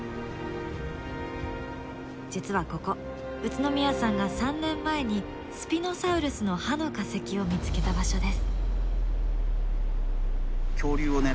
実はここ宇都宮さんが３年前にスピノサウルスの歯の化石を見つけた場所です。